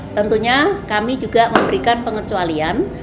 tentunya kami juga memberikan pengecualian